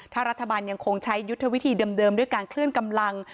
ถ้ารัฐบาลยังคงใช้ยุทธวิธีเดิมด้วยการเคลื่อนกำลัง